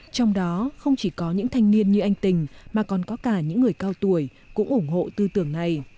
trong đó không chỉ có những thanh niên như anh tình mà còn có cả những người cao tuổi cũng ủng hộ tư tưởng này